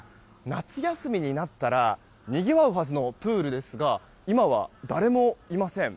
夏休みになったらにぎわうはずのプールですが今は、誰もいません。